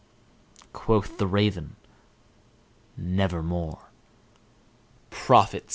Quoth the Raven, "Nevermore." "Prophet!"